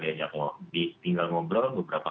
diajak ngobrol beberapa